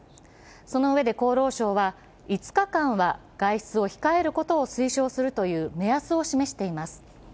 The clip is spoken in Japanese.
そのうえで厚労省は、５日間は外出を控えることを推奨するという目安を示しています。